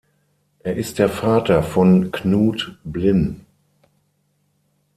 Er ist der Vater von Knut Blin.